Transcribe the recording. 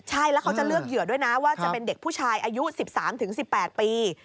ใช่แล้วเขาจะเลือกเหยื่อด้วยนะว่าจะเป็นเด็กผู้ชายอายุ๑๓๑๘ปี